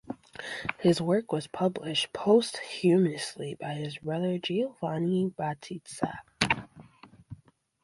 His work was published posthumously by his brother Giovanni Battista.